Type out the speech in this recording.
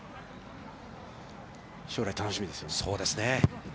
将来楽しみですよね。